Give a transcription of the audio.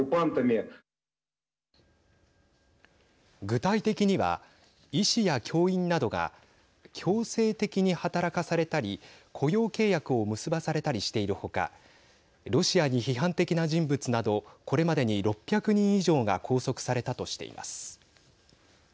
具体的には医師や教員などが強制的に働かされたり雇用契約を結ばされたりしているほかロシアに批判的な人物などこれまでに６００人以上が拘束されたとしています。